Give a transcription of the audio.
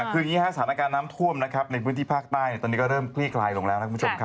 คืออย่างนี้สถานการณ์น้ำท่วมในพื้นที่ภาคใต้ตอนนี้ก็เริ่มคลี่กลายลงแล้ว